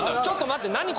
ちょっと待って何？